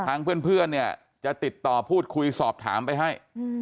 ทางเพื่อนเนี่ยจะติดต่อพูดคุยสอบถามไปให้